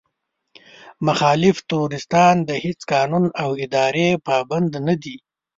مخالف تروريستان د هېڅ قانون او ادارې پابند نه دي.